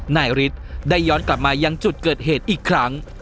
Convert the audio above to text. นายฤทธิ์ได้ย้อนกลับมายังจุดเกิดเหตุอีกครั้ง